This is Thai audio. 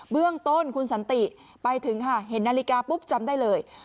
เบื้องต้นคุณสันติไปถึงค่ะเห็นนาฬิกาปุ๊บจำได้เลย